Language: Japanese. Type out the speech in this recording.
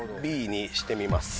Ｂにしてみます。